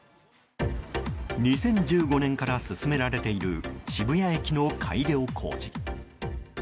２０１５年から進められている渋谷駅の改良工事。